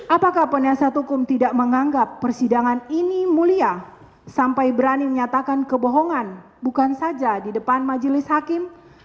apakah penasihat hukum tidak menganggap persidangan ini mulia sampai berani menyatakan kebohongan bukan saja di depan majelis hakim